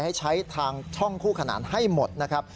ให้ใช้ทางช่องคู่ขนานให้หมดนะครับ